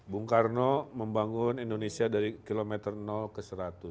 bung karno membangun indonesia dari kilometer ke seratus